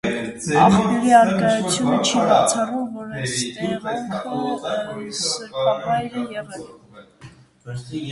Աղբյուրի առկայությունը չի բացառում, որ այս տեղանքը սրբավայր է եղել։